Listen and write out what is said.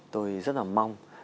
tôi rất là mong